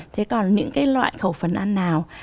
thế còn những cái loại khẩu phần ăn nào